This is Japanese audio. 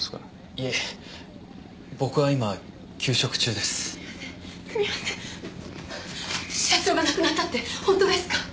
いえ僕は今休職中です・すみませんすみません社長が亡くなったってほんとですか？